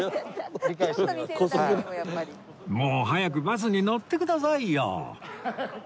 もう早くバスに乗ってくださいよ